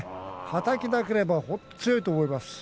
はたきがなければ本当に強いと思います。